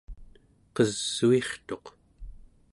qesuirtuq